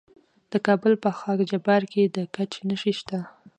د کابل په خاک جبار کې د ګچ نښې شته.